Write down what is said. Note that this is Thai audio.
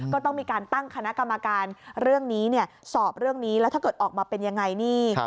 ก็ต้องมีการตั้งคณะกรรมการเรื่องนี้สอบเรื่องนี้แล้วถ้าเกิดออกมาเป็นยังไงนี่